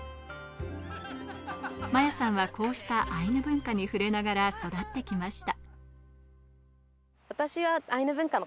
摩耶さんはこうしたアイヌ文化に触れながら育ってきました。